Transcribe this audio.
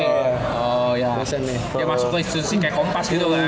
ya masuk ke institusi kayak kompas gitu kan